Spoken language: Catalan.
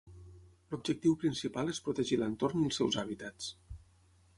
L'objectiu principal és protegir l'entorn i els seus hàbitats.